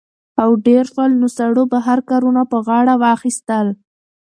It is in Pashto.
او ډېر شول؛ نو سړو بهر کارونه په غاړه واخىستل